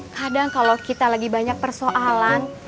kadang kalau kita lagi banyak persoalan